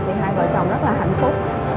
thì hai vợ chồng rất là hạnh phúc